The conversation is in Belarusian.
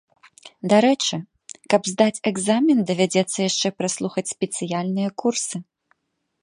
Дарэчы, каб здаць экзамен давядзецца яшчэ праслухаць спецыяльныя курсы.